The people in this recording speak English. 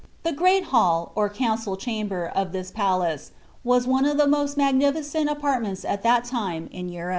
The greai hall, or council cham liRT, of this palace, was one of ilie moel uiagniliceul apartments at that lime in Europe.